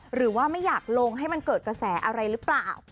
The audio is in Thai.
หรือว่าไม่อยากลงให้มันเกิดกระแสอะไรหรือเปล่า